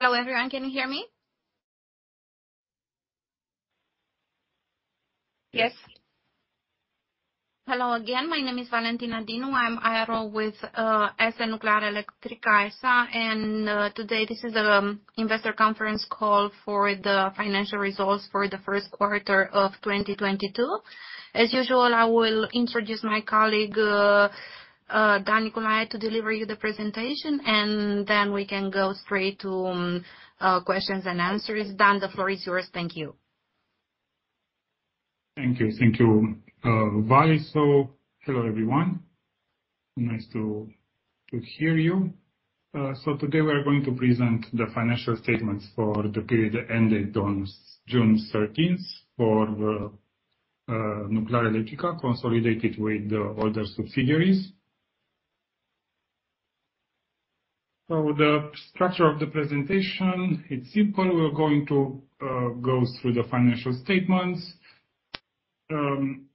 Hello, everyone. Can you hear me? Yes. Hello again. My name is Valentina Dinu. I'm IR with S.N. Nuclearelectrica S.A., Today, this is the investor conference call for the financial results for the first quarter of 2022. As usual, I will introduce my colleague Dan Nicolae to deliver you the presentation, and then we can go straight to questions and answers. Dan, the floor is yours. Thank you. Thank you. Thank you, Val. Hello, everyone. Nice to hear you. Today we're going to present the financial statements for the period that ended on June 13th for the Nuclearelectrica consolidated with the other subsidiaries. The structure of the presentation, it's simple. We're going to go through the financial statements. Then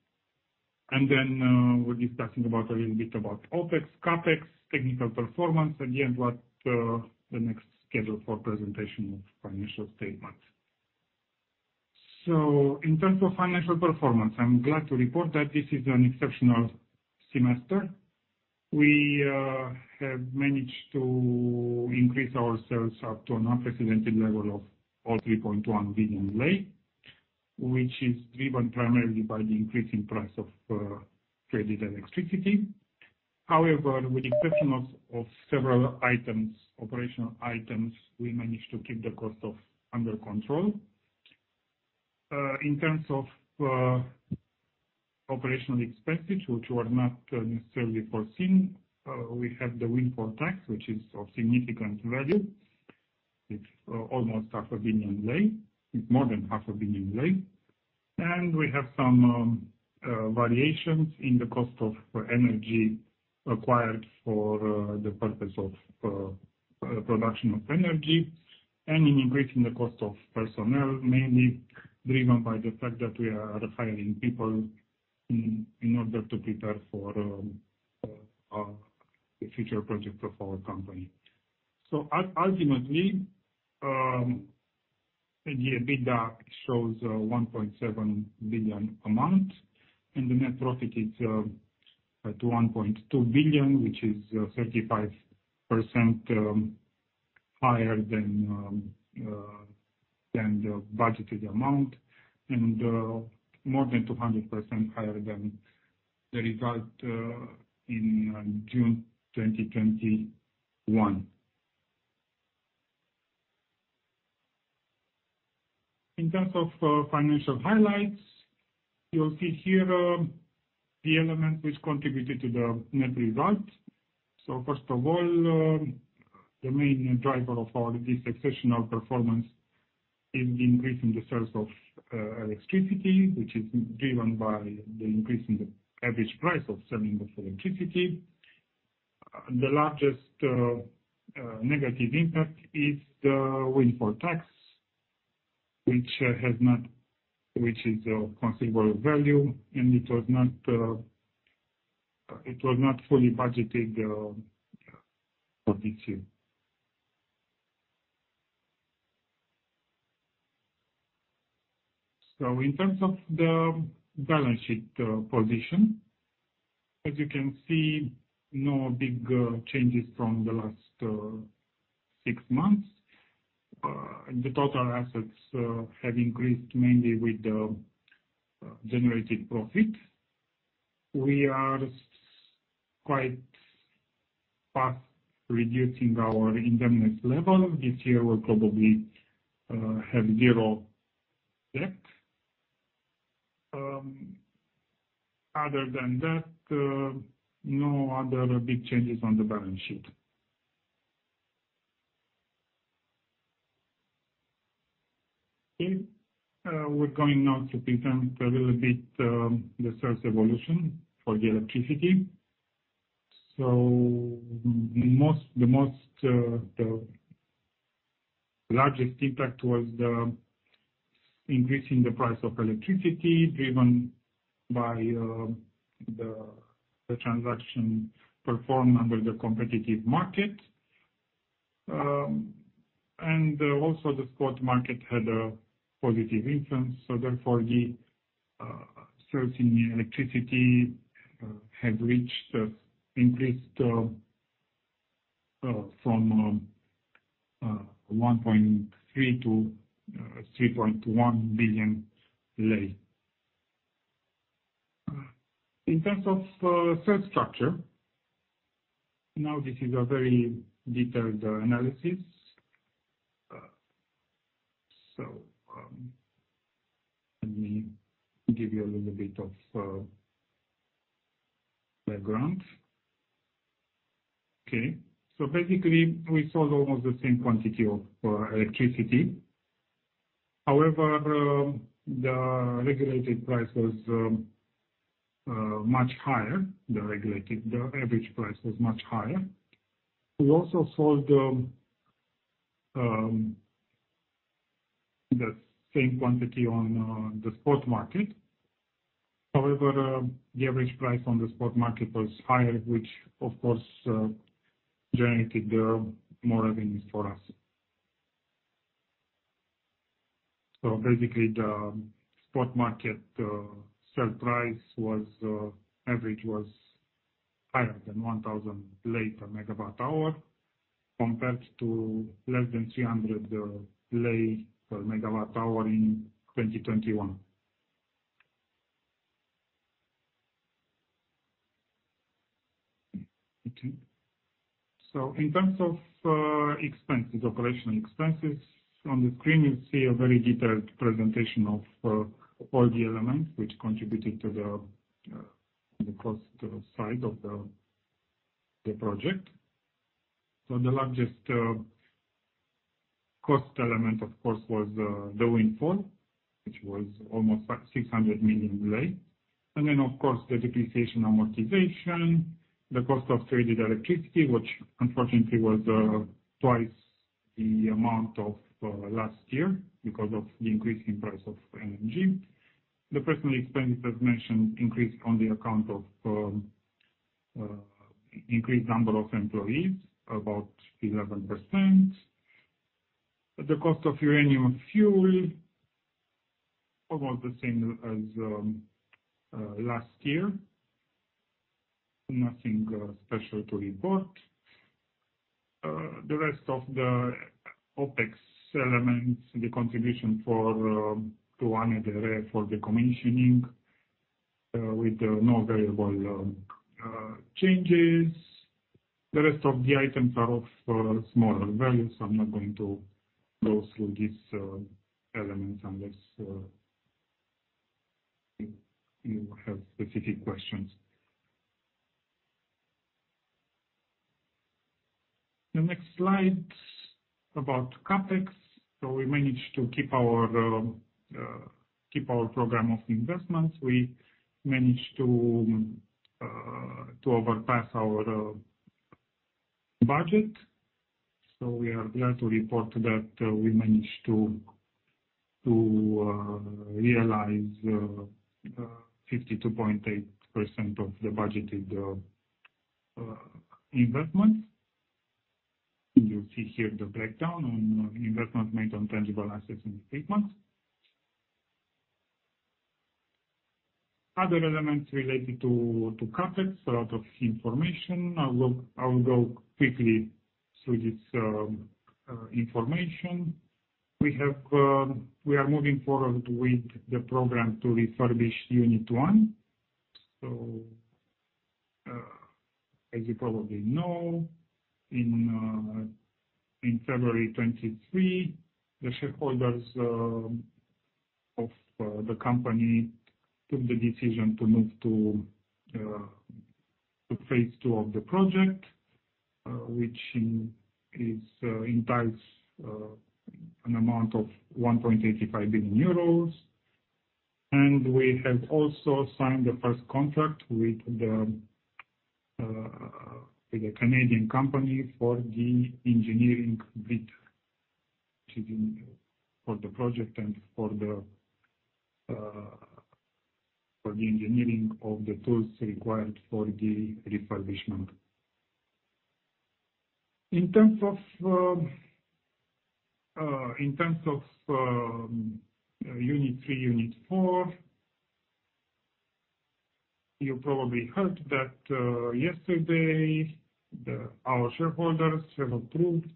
we'll be talking about a little bit about OpEx, CapEx, technical performance. Again, the next schedule for presentation of financial statements. In terms of financial performance, I'm glad to report that this is an exceptional semester. We have managed to increase our sales up to an unprecedented level of all RON 3.1 billion, which is driven primarily by the increasing price of credit and electricity. However, with the exception of several items, operational items, we managed to keep the costs under control. In terms of operational expenses, which were not necessarily foreseen, we have the windfall tax, which is of significant value. It's almost half a billion lei. It's more than half a billion lei. We have some variations in the cost of energy acquired for the purpose of production of energy and an increase in the cost of personnel, mainly driven by the fact that we are hiring people in order to prepare for the future project of our company. Ultimately, EBITDA shows RON 1.7 billion amount, and the net profit is RON 1.2 billion, which is 35% higher than the budgeted amount and more than 200% higher than the result in June 2021. In terms of financial highlights, you'll see here the element which contributed to the net result. First of all, the main driver of all this exceptional performance is the increase in the sales of electricity, which is driven by the increase in the average price of selling of electricity. The largest negative impact is the windfall tax, which is of considerable value, and it was not fully budgeted for this year. In terms of the balance sheet position, as you can see, no big changes from the last six months. The total assets have increased mainly with the generated profit. We are quite fast reducing our indebtedness level. This year, we'll probably have zero debt. Other than that, no other big changes on the balance sheet. Okay. We're going now to present a little bit the sales evolution for the electricity. The largest impact was the increase in the price of electricity driven by the transaction performed under the competitive market. Also the spot market had a positive influence. Therefore, the sales in electricity have increased from RON 1.3 billion -RON 3.1 billion. In terms of sales structure. Now, this is a very detailed analysis. Let me give you a little bit of background. Okay. Basically, we sold almost the same quantity of electricity. However, the regulated price was much higher. The average price was much higher. We also sold the same quantity on the spot market. However, the average price on the spot market was higher, which of course generated more revenues for us. Basically the spot market sell price average was higher than RON 1,000 per MWh compared to less than RON 300 per MWh in 2021. Okay. In terms of expenses, operational expenses. On the screen you see a very detailed presentation of all the elements which contributed to the cost side of the project. The largest cost element of course was the wind farm, which was almost RON 600 million. Of course, the depreciation, amortization, the cost of traded electricity, which unfortunately was twice the amount of last year because of the increase in price of energy. The personnel expenses, as mentioned, increased on account of increased number of employees, about 11%. The cost of uranium fuel, almost the same as last year. Nothing special to report. The rest of the OpEx elements, the contribution to Cernavodă for the commissioning, with no variable changes. The rest of the items are of smaller values. I'm not going to go through these elements unless you have specific questions. The next slide about CapEx. We managed to keep our program of investments. We managed to surpass our budget, so we are glad to report that we managed to realize 52.8% of the budgeted investment. You see here the breakdown on investment made on tangible assets in eight months. Other elements related to CapEx, a lot of information. I will go quickly through this information. We are moving forward with the program to refurbish Unit 1. As you probably know, in February 2023, the shareholders of the company took the decision to move to phase II of the project, which entails an amount of 1.85 billion euros. We have also signed the first contract with a Canadian company for the engineering bid for the project and for the engineering of the tools required for the refurbishment. In terms of Unit three, Unit four, you probably heard that yesterday our shareholders have approved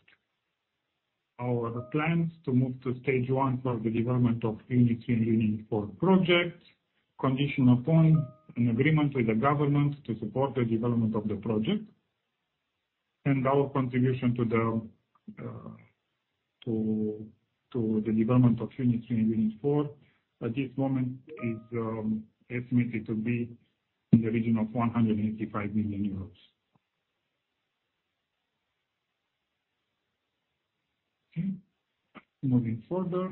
our plans to move to stage one for the development of Unit three and Unit four project, conditional upon an agreement with the government to support the development of the project. Our contribution to the development of Unit three and Unit four at this moment is estimated to be in the region of 185 million euros. Okay. Moving further.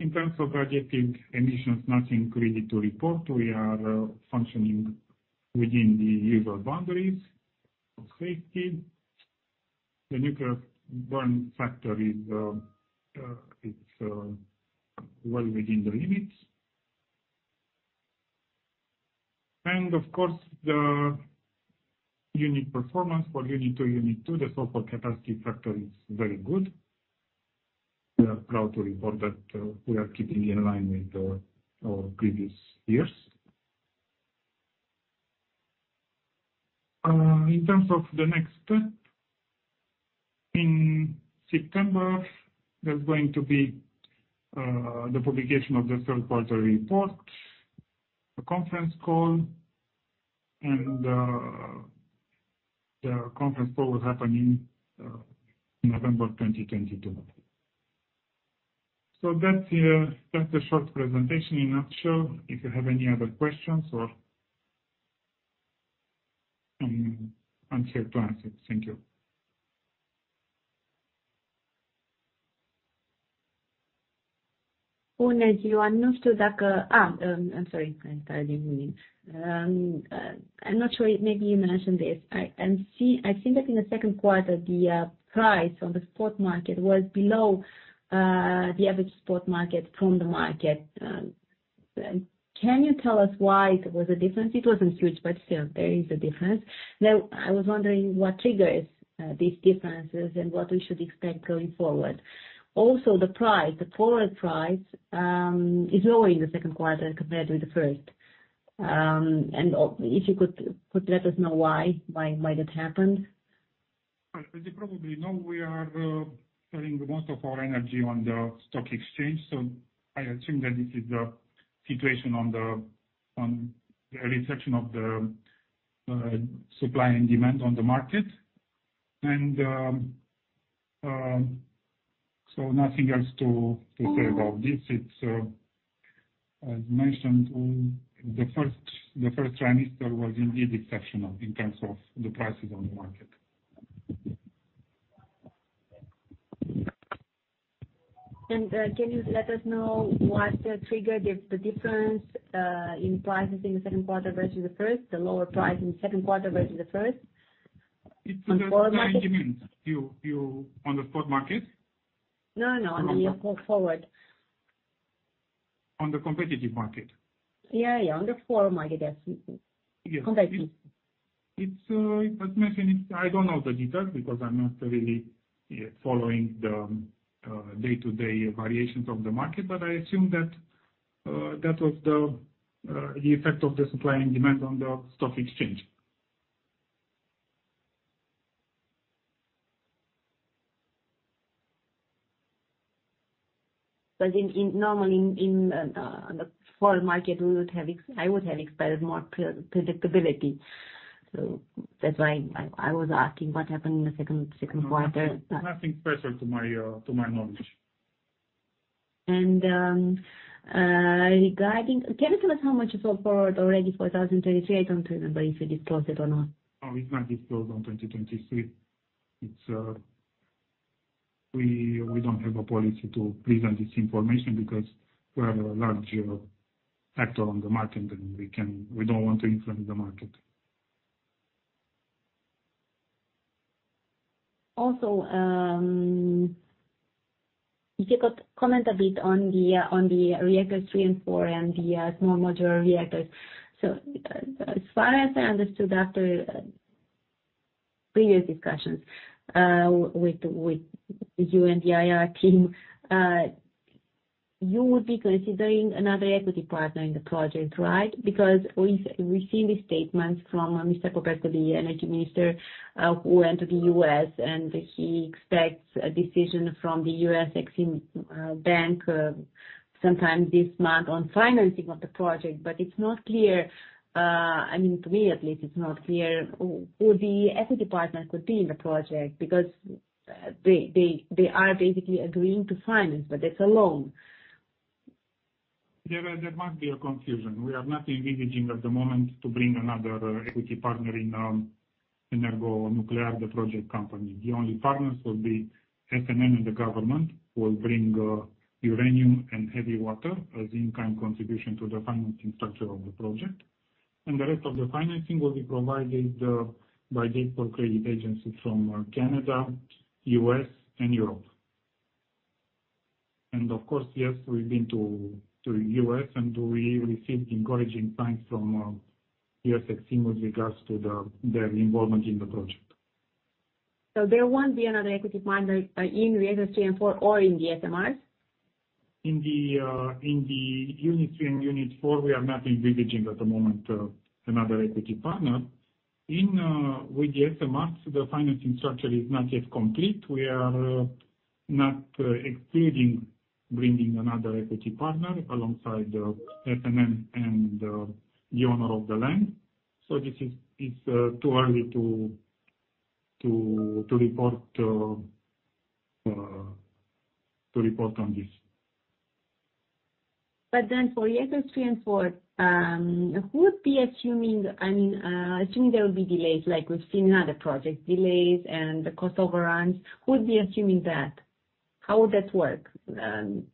In terms of radioactive emissions, nothing really to report. We are functioning within the usual boundaries of safety. The nuclear burnup factor is well within the limits. Of course, the unit performance for Unit two, the gross capacity factor is very good. We are proud to report that we are keeping in line with our previous years. In terms of the next step, in September, there's going to be the publication of the third quarterly report, a conference call, and the conference call will happen in November 2022. That's the short presentation in a nutshell. If you have any other questions or I'm here to answer. Thank you. I'm sorry. I'm tired, evening. I'm not sure, maybe you mentioned this. I think that in the second quarter, the price on the spot market was below the average spot market from the market. Can you tell us why there was a difference? It wasn't huge, but still, there is a difference. Now, I was wondering what triggers these differences and what we should expect going forward. Also, the price, the forward price, is low in the second quarter compared with the first. And if you could let us know why that happened? As you probably know, we are selling most of our energy on the stock exchange, so I assume that this is the situation on the reflection of the supply and demand on the market. Nothing else to say about this. It's as mentioned, the first trimester was indeed exceptional in terms of the prices on the market. Can you let us know what triggered the difference in prices in the second quarter versus the first, the lower price in the second quarter versus the first? On forward market. It's the management. You on the spot market? No, no. On your forward. On the competitive market. Yeah, yeah. On the forward market, yes. Competitive. It's as mentioned, I don't know the details because I'm not really, yeah, following the day-to-day variations of the market, but I assume that was the effect of the supply and demand on the stock exchange. Normally on the forward market, I would have expected more predictability. That's why I was asking what happened in the second quarter? Nothing special to my knowledge. Can you tell us how much is on board already for 2023? I don't remember if you disclosed it or not. Oh, it's not disclosed in 2023. It's We don't have a policy to present this information because we are a large actor on the market and we don't want to influence the market. Also, if you could comment a bit on the reactors three and four and the Small Modular Reactors. As far as I understood after previous discussions with you and the IR team, you would be considering another equity partner in the project, right? We've seen the statements from Mr. Popescu, the Energy Minister, who went to the U.S. and he expects a decision from the U.S. Exim Bank sometime this month on financing of the project. It's not clear, I mean, to me at least, it's not clear who the equity partner could be in the project because they are basically agreeing to finance, but that's a loan. There must be a confusion. We are not envisaging at the moment to bring another equity partner in, EnergoNuclear, the project company. The only partners will be SNN and the government, who will bring uranium and heavy water as in-kind contribution to the financing structure of the project. The rest of the financing will be provided by export credit agencies from Canada, U.S. and Europe. Of course, we've been to U.S. and we received encouraging signs from U.S. Exim with regards to their involvement in the project. There won't be another equity partner in reactors three and four or in the SMRs? In the Unit three and Unit four, we are not envisaging at the moment another equity partner. With the SMRs, the financing structure is not yet complete. We are not excluding bringing another equity partner alongside the SNN and the owner of the land. It's too early to report on this. For reactors three and four, who would be assuming, I mean, assuming there will be delays like we've seen other project delays and the cost overruns, who would be assuming that? How would that work? The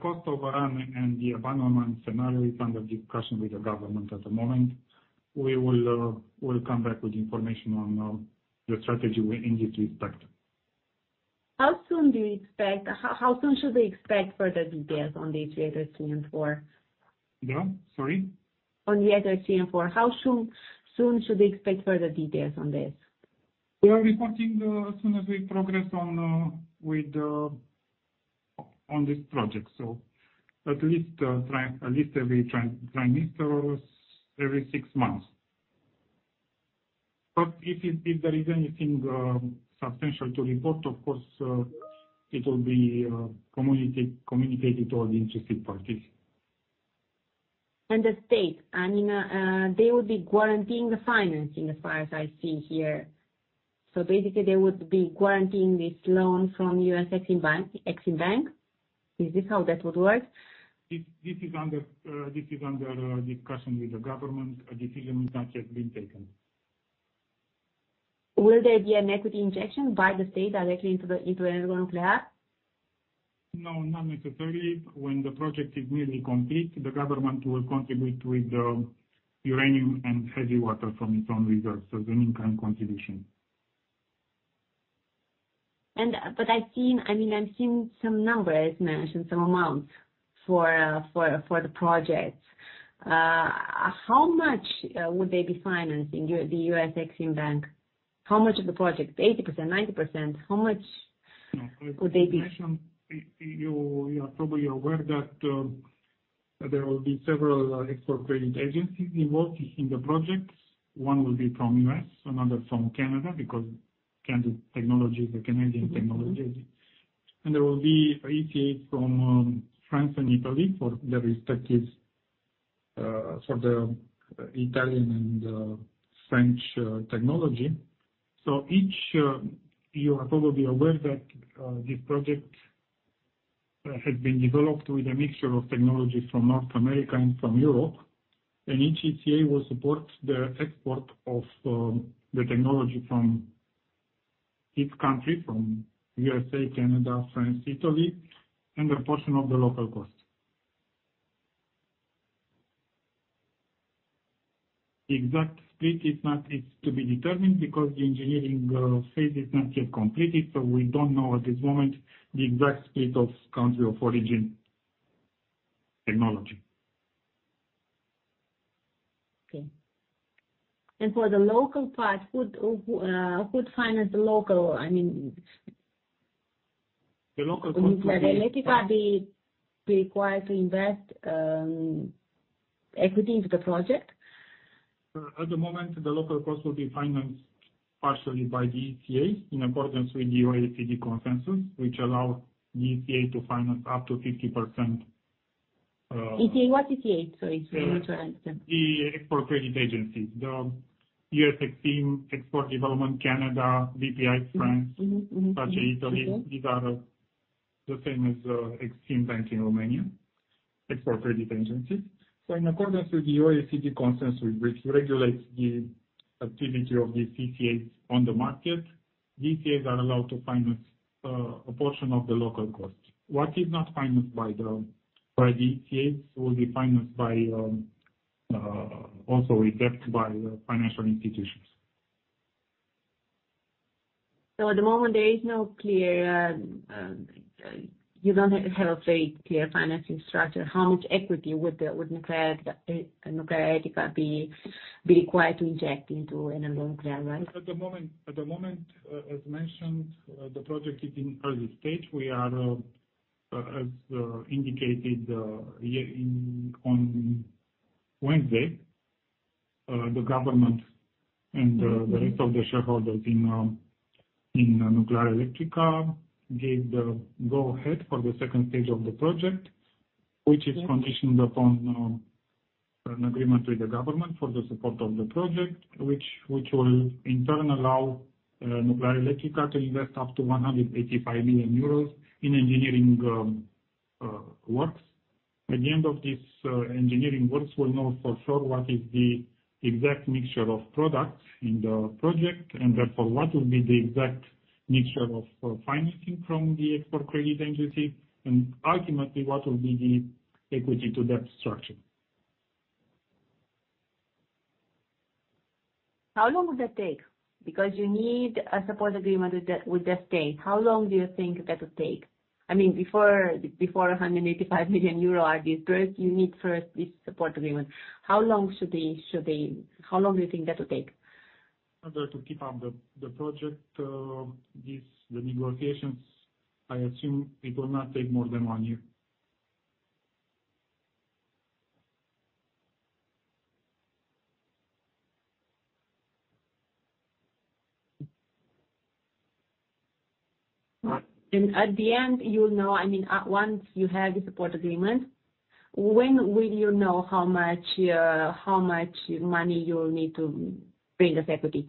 cost overrun and the abandonment scenario is under discussion with the government at the moment. We'll come back with information on the strategy we indeed respect. How soon should we expect further details on the reactors three and four? Sorry. On reactors three and four, how soon should we expect further details on this? We are reporting as soon as we progress on this project. At least every trimester, every six months. If there is anything substantial to report, of course, it will be communicated to all the interested parties. The state, I mean, they would be guaranteeing the financing as far as I see here. Basically they would be guaranteeing this loan from U.S. Ex-Im Bank, Ex-Im Bank. Is this how that would work? This is under discussion with the government. A decision has not yet been taken. Will there be an equity injection by the state directly into EnergoNuclear? No, not necessarily. When the project is really complete, the government will contribute with the uranium and heavy water from its own reserves as an in-kind contribution. I've seen, I mean, some numbers mentioned, some amounts for the project. How much would they be financing, the U.S. Ex-Im Bank? How much of the project, 80%, 90%? How much would they be. You know, as I mentioned, you are probably aware that there will be several export credit agencies involved in the project. One will be from U.S., another from Canada, because CANDU technology is a Canadian technology. There will be ECA from France and Italy for their respective for the Italian and French technology. Each, you are probably aware that this project has been developed with a mixture of technology from North America and from Europe. Each ECA will support the export of the technology from each country, from U.S.A., Canada, France, Italy, and a portion of the local cost. The exact split is to be determined because the engineering phase is not yet completed, so we don't know at this moment the exact split of country of origin technology. Okay. For the local part, who'd finance the local? I mean- The local cost will be. Will Nuclearelectrica be required to invest equity into the project? At the moment, the local cost will be financed partially by the ECA in accordance with the OECD Consensus, which allow the ECA to finance up to 50%. ECA, what's ECA? Sorry to interrupt you. The export credit agency. The U.S. Ex-Im, Export Development Canada, Bpifrance, SACE Italy. Mm-hmm. These are the same as Ex-Im Bank in Romania, export credit agency. In accordance with the OECD Consensus, which regulates the activity of these ECAs on the market, these ECAs are allowed to finance a portion of the local cost. What is not financed by the ECAs will be financed also with debt by financial institutions. At the moment, there is no clear, you don't have a very clear financing structure. How much equity would Nuclearelectrica be required to inject into EnergoNuclear, right? At the moment, as mentioned, the project is in early stage. We are as indicated on Wednesday, the government and the rest of the shareholders in Nuclearelectrica gave the go-ahead for the second phase of the project. Okay. Which is conditioned upon an agreement with the government for the support of the project, which will in turn allow Nuclearelectrica to invest up to 185 million euros in engineering works. At the end of these engineering works, we'll know for sure what is the exact mixture of products in the project, and therefore what will be the exact mixture of financing from the Export Credit Agency, and ultimately what will be the equity to that structure. How long would that take? Because you need a support agreement with the state. How long do you think that would take? I mean, before 185 million euro are dispersed, you need first this support agreement. How long do you think that will take? In order to keep up the project, the negotiations, I assume it will not take more than one year. At the end, you'll know, I mean, once you have the support agreement, when will you know how much money you'll need to bring as equity?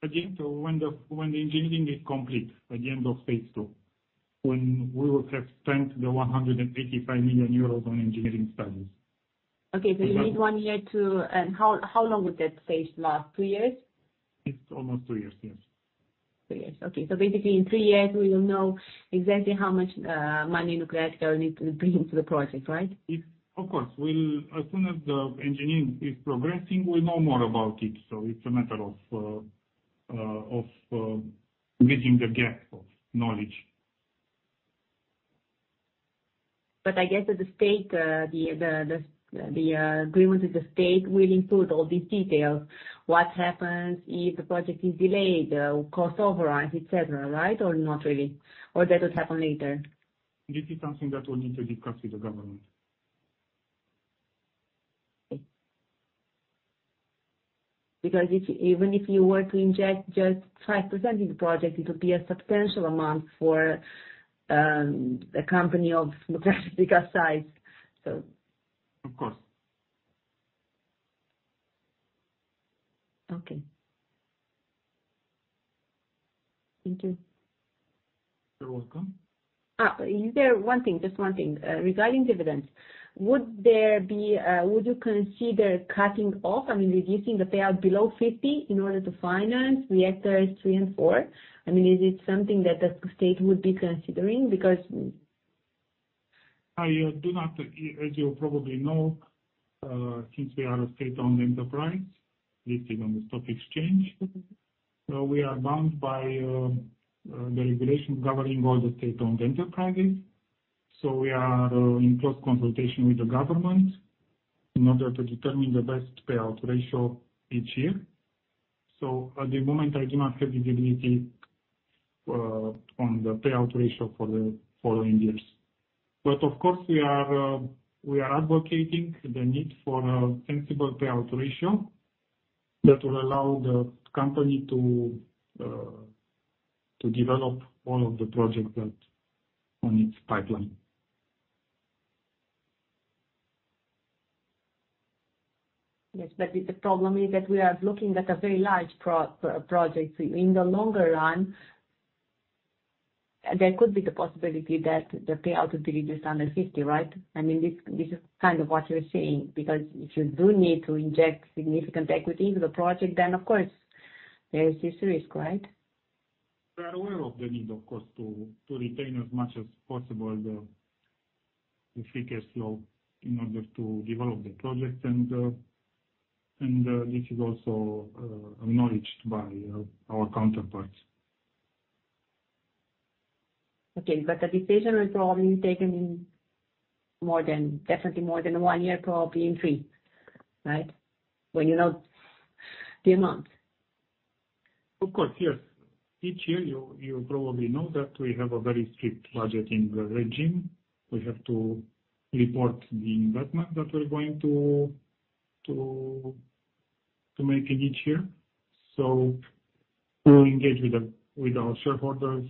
When the engineering is complete, at the end of phase II, when we will have spent 185 million euros on engineering studies. Okay. You need one year. How long would that phase last? Two years? It's almost two years, yes. Two years, okay. Basically in three years we will know exactly how much money Nuclearelectrica will need to bring into the project, right? Of course. As soon as the engineering is progressing, we'll know more about it. It's a matter of bridging the gap of knowledge. I guess that the state, the agreement with the state will include all these details. What happens if the project is delayed, cost overrun, etc., right? Or not really? Or that would happen later? This is something that will need to be discussed with the government. Because even if you were to inject just 5% in the project, it would be a substantial amount for a company of Nuclearelectrica size, so. Of course. Okay. Thank you. You're welcome. Is there one thing, just one thing. Regarding dividends, would you consider cutting off, I mean, reducing the payout below 50% in order to finance reactors three and four? I mean, is it something that the state would be considering? As you probably know, since we are a state-owned enterprise listed on the stock exchange, we are bound by the regulations governing all the state-owned enterprises. We are in close consultation with the government in order to determine the best payout ratio each year. At the moment, I do not have visibility on the payout ratio for the following years. Of course, we are advocating the need for a sensible payout ratio that will allow the company to develop all of the projects that on its pipeline. Yes, the problem is that we are looking at a very large project. In the longer run, there could be the possibility that the payout will be reduced under 50%, right? I mean, this is kind of what you're saying, because if you do need to inject significant equity into the project, then of course, there is this risk, right? We are aware of the need, of course, to retain as much as possible the free cash flow in order to develop the project. This is also acknowledged by our counterparts. Okay, the decision is probably taken more than, definitely more than one year, probably in three, right? When you know the amount. Of course, yes. Each year you probably know that we have a very strict budgeting regime. We have to report the investment that we're going to make in each year. We'll engage with our shareholders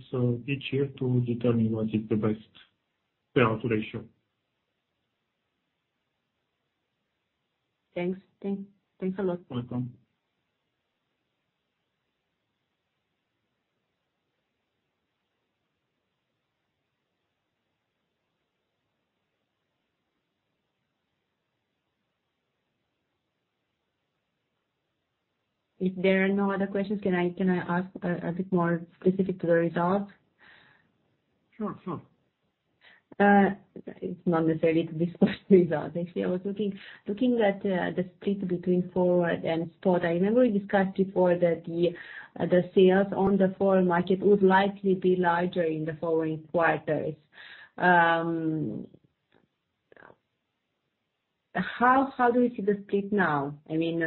each year to determine what is the best payout ratio. Thanks a lot. Welcome. If there are no other questions, can I ask a bit more specific to the results? Sure. It's not necessary to discuss results. Actually, I was looking at the split between forward and spot. I remember we discussed before that the sales on the forward market would likely be larger in the following quarters. How do you see the split now? I mean,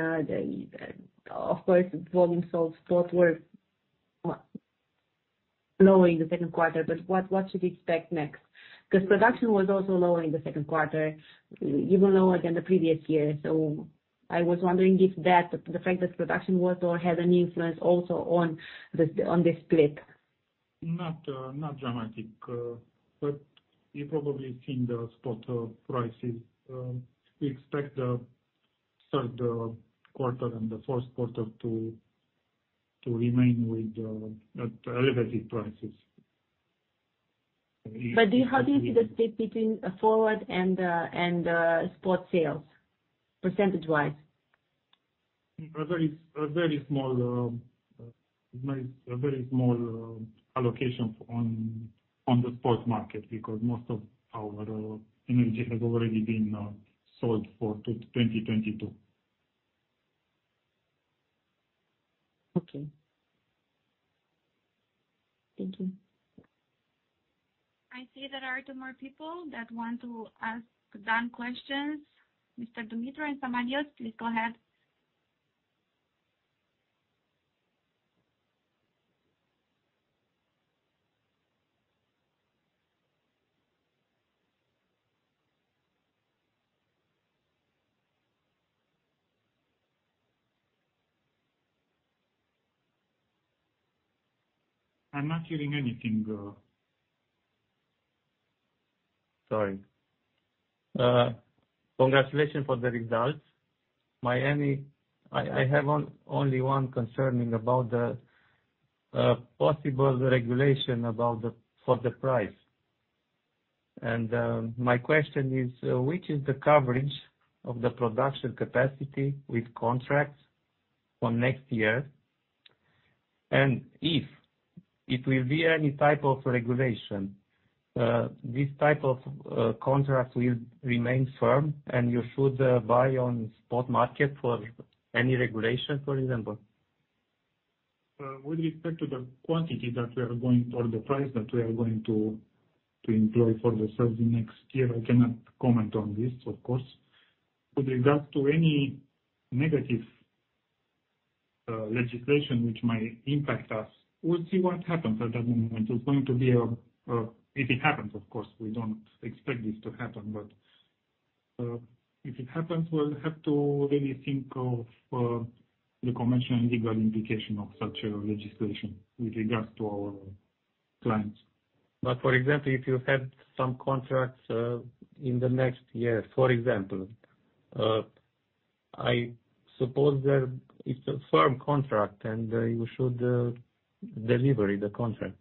of course, volume sold spot were low in the second quarter, but what should we expect next? 'Cause production was also low in the second quarter, even lower than the previous year. I was wondering if that, the fact that production was or had an influence also on the split? Not dramatic, but you've probably seen the spot prices. We expect the third quarter and the fourth quarter to remain at elevated prices. How do you see the split between forward and spot sales percentage-wise? A very small allocation on the spot market because most of our energy has already been sold for 2022. Okay. Thank you. I see there are two more people that want to ask Dan questions. Mr. Dumitriu and somebody else, please go ahead. I'm not hearing anything. Sorry. Congratulations for the results. I have only one concern about the possible regulation for the price. My question is, which is the coverage of the production capacity with contracts for next year? If it will be any type of regulation, this type of contract will remain firm, and you should buy on spot market for any regulation, for example? With respect to the quantity that we are going or the price that we are going to employ for the sales next year, I cannot comment on this, of course. With regard to any negative legislation which might impact us, we'll see what happens at that moment. It's going to be if it happens, of course, we don't expect this to happen. If it happens, we'll have to really think of the commercial and legal implication of such a legislation with regards to our plans. For example, if you had some contracts in the next year, for example, I suppose there is a firm contract and you should deliver the contract?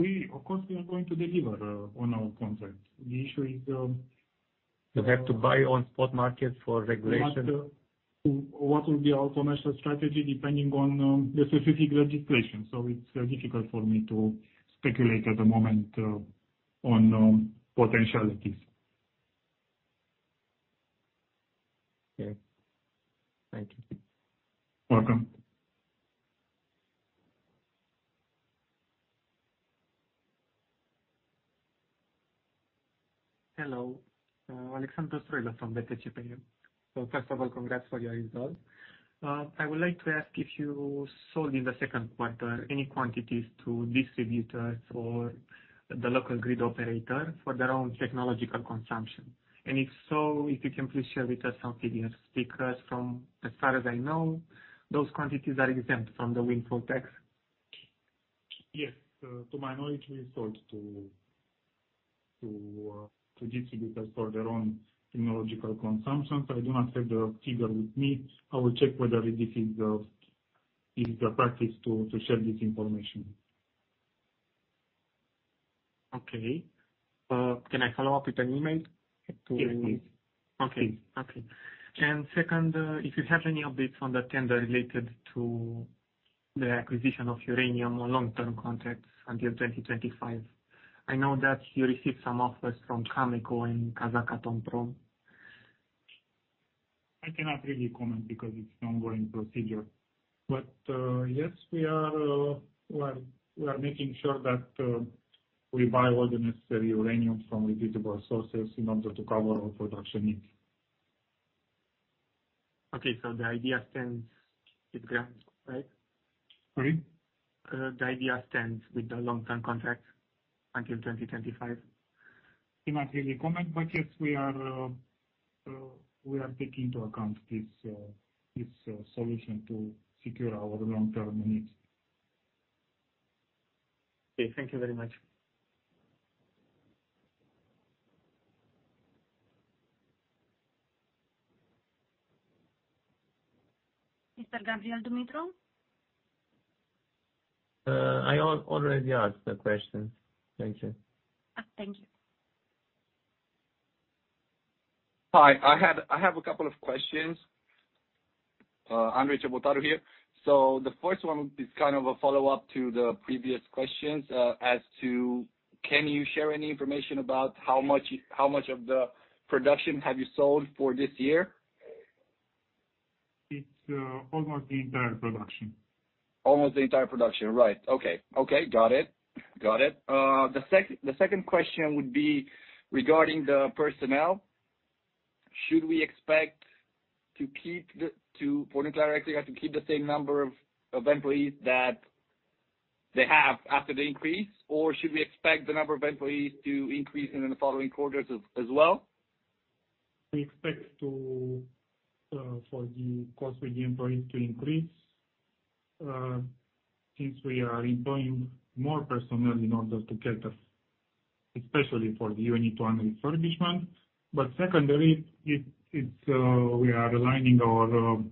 Of course, we are going to deliver on our contract. The issue is, You have to buy on spot markets for regulation? What will be our commercial strategy depending on the specific legislation? It's difficult for me to speculate at the moment on potentialities. Okay. Thank you. Welcome. Hello. Alexandru Sreila from BNP Paribas. First of all, congrats for your result. I would like to ask if you sold in the second quarter any quantities to distributors or the local grid operator for their own technological consumption. If so, if you can please share with us some figures. Because as far as I know, those quantities are exempt from the windfall tax? Yes. To my knowledge, we sold to distributors for their own technological consumption. I do not have the figure with me. I will check whether it is the practice to share this information. Okay. Can I follow up with an email to at least? Yes, please. Okay. Second, if you have any updates on the tender related to the acquisition of uranium or long-term contracts until 2025? I know that you received some offers from Cameco and Kazatomprom. I cannot really comment because it's an ongoing procedure. Yes, we are making sure that we buy all the necessary uranium from reputable sources in order to cover our production needs. Okay. The idea stands its ground, right? Sorry? The idea stands with the long-term contract until 2025? I cannot really comment. Yes, we are taking into account this solution to secure our long-term needs. Okay, thank you very much. Mr. Gabriel Dumitriu? I already asked the question. Thank you. Thank you. Hi. I have a couple of questions. Andrei Cebotari here. The first one is kind of a follow-up to the previous questions, as to can you share any information about how much of the production have you sold for this year? It's almost the entire production. Almost the entire production. Right. Okay. Got it. The second question would be regarding the personnel. Should we expect to put it directly, like, to keep the same number of employees that they have after the increase? Or should we expect the number of employees to increase in the following quarters as well? We expect the cost with the employees to increase, since we are employing more personnel in order to cater especially for the Unit one refurbishment. Secondly, we are aligning our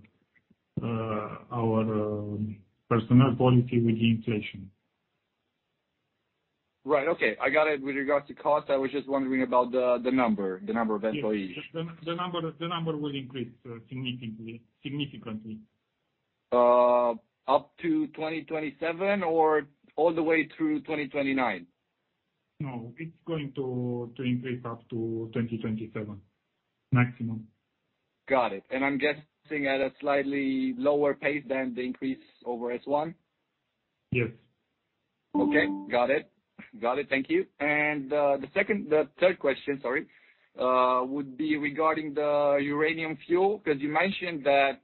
personnel policy with the inflation. Right. Okay. I got it. With regards to cost, I was just wondering about the number of employees. Yes. The number will increase significantly. Up to 2027 or all the way through 2029? No, it's going to increase up to 2027 maximum. Got it. I'm guessing at a slightly lower pace than the increase over S 1? Yes. Okay. Got it. Thank you. The third question, sorry, would be regarding the uranium fuel, 'cause you mentioned that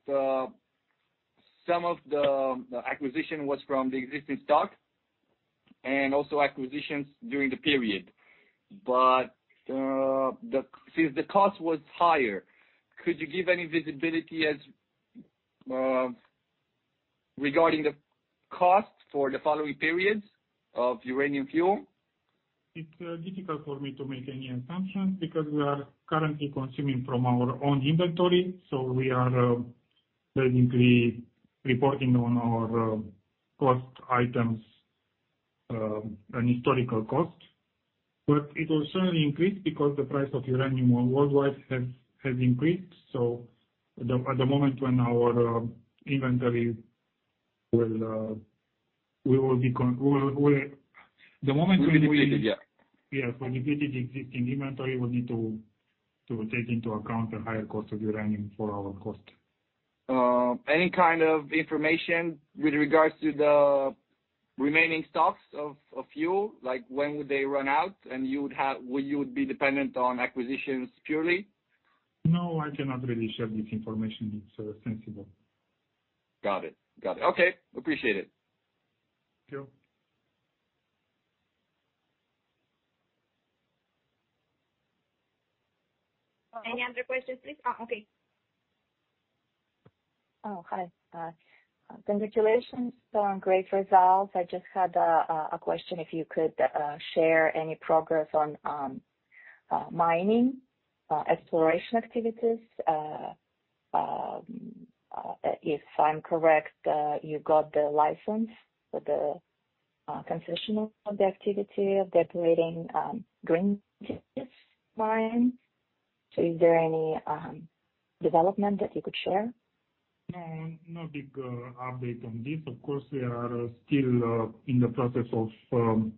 some of the acquisition was from the existing stock, and also acquisitions during the period. Since the cost was higher, could you give any visibility as regarding the cost for the following periods of uranium fuel? It's difficult for me to make any assumption because we are currently consuming from our own inventory, so we are basically reporting on our cost items, an historical cost. It will certainly increase because the price of uranium worldwide has increased. At the moment when our inventory will, we'll. The moment we- Will be depleted, yeah. Yes. When depleting existing inventory, we'll need to take into account a higher cost of uranium for our cost. Any kind of information with regards to the remaining stocks of fuel? Like, when would they run out and will you be dependent on acquisitions purely? No, I cannot really share this information. It's sensitive. Got it. Okay. Appreciate it. Thank you. Any other questions, please? Oh, okay. Oh, hi. Congratulations on great results. I just had a question, if you could share any progress on mining exploration activities. If I'm correct, you got the license for the concession of the activity of decommissioning greenfield mine. Is there any development that you could share? No, no big update on this. Of course, we are still in the process of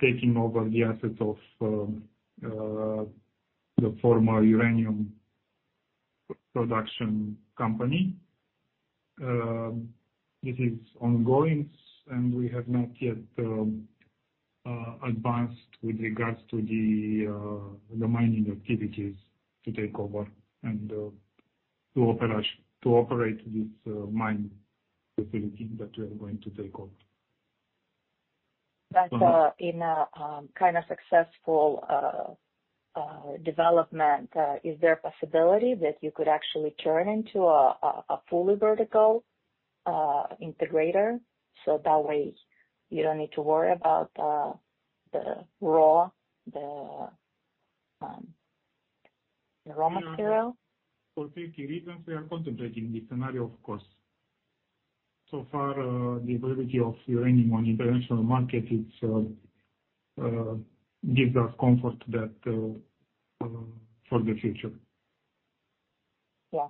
taking over the assets of the former uranium production company. It is ongoing, and we have not yet advanced with regards to the mining activities to take over and to operate this mine facility that we are going to take over. In a kind of successful development, is there a possibility that you could actually turn into a fully vertical integrator, so that way you don't need to worry about the raw material? For safety reasons, we are contemplating this scenario, of course. So far, the availability of uranium on international market gives us comfort that for the future. Yeah.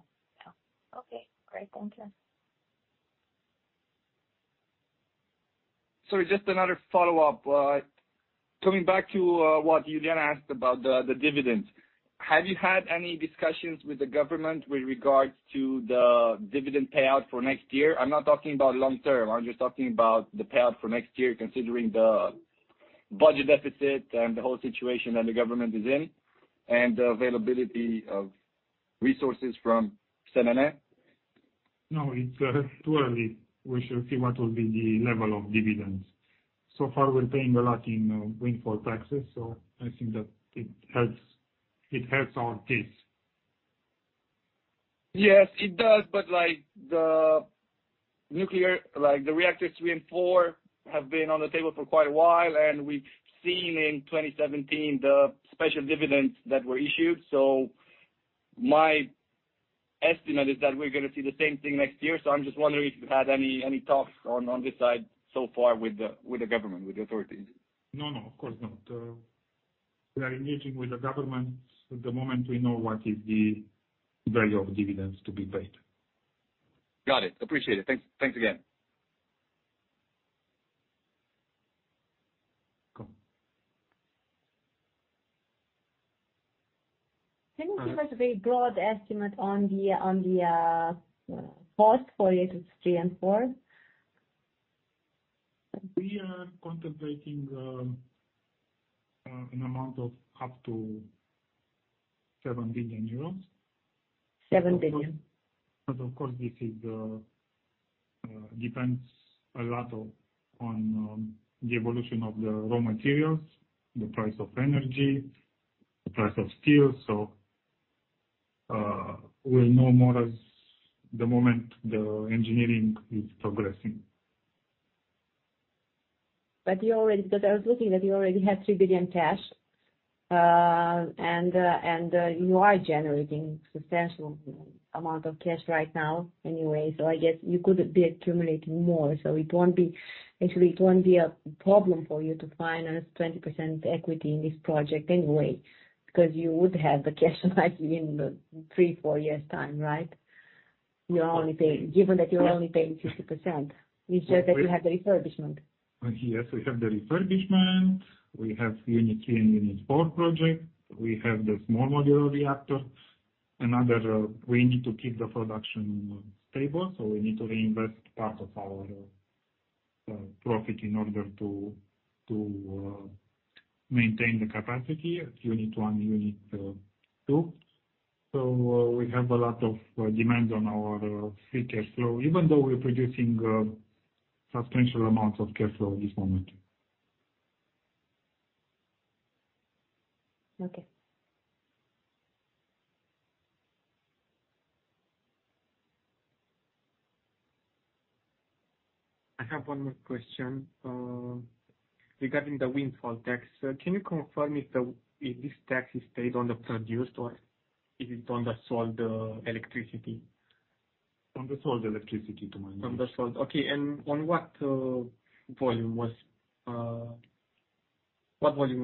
Okay. Great. Thank you. Sorry, just another follow-up. Coming back to what Juliana asked about the dividends. Have you had any discussions with the government with regards to the dividend payout for next year? I'm not talking about long term. I'm just talking about the payout for next year, considering the budget deficit and the whole situation that the government is in, and the availability of resources from CNIE. No, it's too early. We should see what will be the level of dividends. So far, we're paying a lot in windfall taxes, so I think that it helps our case. Yes, it does. Like, the nuclear... Like, the reactors three and four have been on the table for quite a while, and we've seen in 2017 the special dividends that were issued. I'm just wondering if you had any talks on this side so far with the government, with the authorities. No, no, of course not. We are meeting with the government the moment we know what is the value of dividends to be paid. Got it. Appreciate it. Thanks, thanks again. Cool. Can you give us a broad estimate on the cost for Units three and four? We are contemplating an amount of up to 7 billion euros. 7 billion? Of course, this depends a lot on the evolution of the raw materials, the price of energy, the price of steel. We'll know more at the moment the engineering is progressing. I was looking that you already had RON 3 billion cash, and you are generating substantial amount of cash right now anyway, so I guess you could be accumulating more. Actually, it won't be a problem for you to finance 20% equity in this project anyway, because you would have the cash flow in the three-four years' time, right? Given that you are only paying 50%. It's just that you have the refurbishment. Yes, we have the refurbishment. We have Unit three and Unit four project. We have the small modular reactor. Another, we need to keep the production stable, so we need to reinvest part of our profit in order to maintain the capacity at Unit one, Unit two. We have a lot of demand on our free cash flow, even though we're producing substantial amounts of cash flow at this moment. Okay. I have one more question regarding the windfall tax. Can you confirm if this tax is paid on the produced, or is it on the sold electricity? On the sold electricity to my understanding. On the sale. Okay. On what volume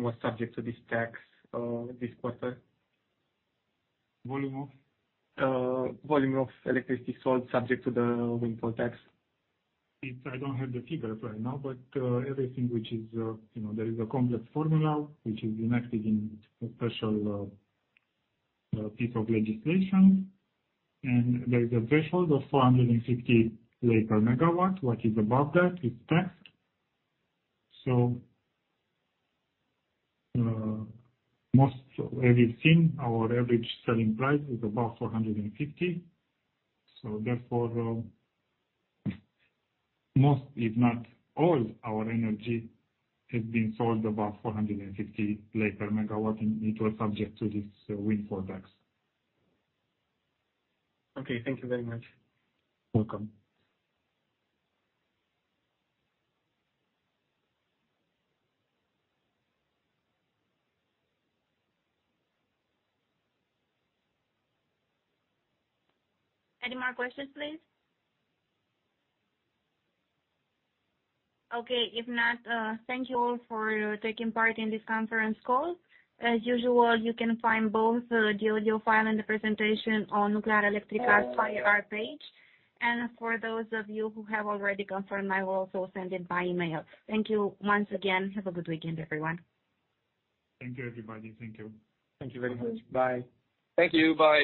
was subject to this tax, this quarter? Volume of? Volume of electricity sold subject to the windfall tax? I don't have the figures right now, but everything which is, you know, there is a complex formula which is enacted in a special piece of legislation. There is a threshold of RON 450 lei per MW. What is above that is taxed. Most everything, our average selling price is above RON 450. Most, if not all our energy has been sold above RON 450 lei per MW, and it was subject to this windfall tax. Okay, thank you very much. Welcome. Any more questions, please? Okay. If not, thank you all for taking part in this conference call. As usual, you can find both the audio file and the presentation on Nuclearelectrica IR page. For those of you who have already confirmed, I will also send it by email. Thank you once again. Have a good weekend, everyone. Thank you, everybody. Thank you. Thank you very much. Bye. Thank you. Bye.